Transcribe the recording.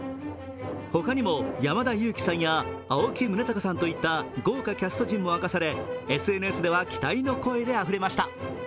他にも、山田裕貴さんや青木崇高さんといった豪華キャスト陣も明かされＳＮＳでは期待の声であふれました。